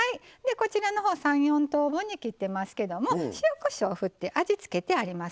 ３４等分に切ってますけども塩・こしょうを振って味付けてあります。